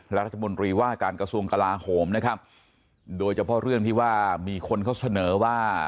รัฐมนตรีว่าการกระทรวงกลาโหมนะครับโดยเฉพาะเรื่องที่ว่ามีคนเขาเสนอว่า